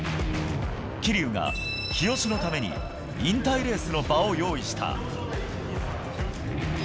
桐生が日吉のために、引退レースの場を用意した。